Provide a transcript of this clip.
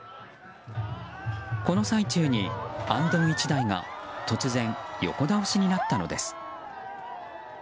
この最中にあんどん１台が突然、横倒しになったのです。